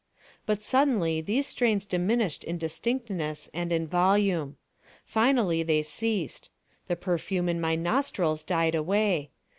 But, suddenly these strains diminished in distinctness and in volume. Finally they ceased. The perfume in my nostrils died away.